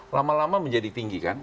lama lama menjadi tinggi kan